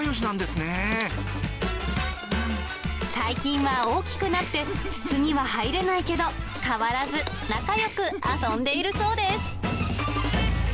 最近は大きくなって、筒には入れないけど、変わらず仲よく遊んでいるそうです。